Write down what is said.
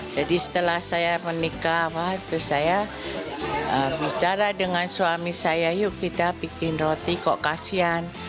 jadi setelah saya menikah waktu saya bicara dengan suami saya yuk kita bikin roti kok kasian